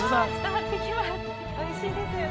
おいしいですよね。